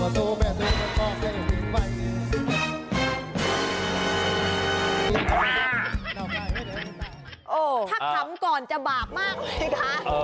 ถักคำก่อนจะบาปมากไหมคะ